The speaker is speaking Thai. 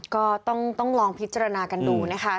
ก็ต้องลองพิจารณากันดูนะคะ